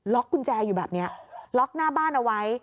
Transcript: กุญแจอยู่แบบนี้ล็อกหน้าบ้านเอาไว้